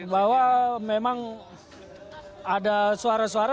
bahwa memang ada suara suara